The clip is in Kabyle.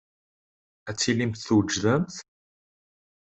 Ad tilimt twejdemt?